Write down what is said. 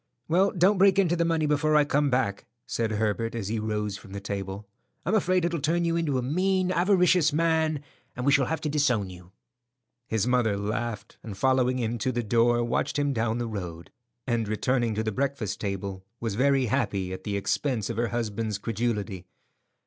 "Well, don't break into the money before I come back," said Herbert as he rose from the table. "I'm afraid it'll turn you into a mean, avaricious man, and we shall have to disown you." His mother laughed, and following him to the door, watched him down the road; and returning to the breakfast table, was very happy at the expense of her husband's credulity.